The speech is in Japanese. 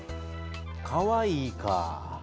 かわいいかぁ。